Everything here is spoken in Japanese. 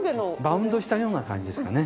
バウンドしたような感じですかね。